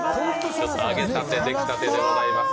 揚げたて、できたてでございます。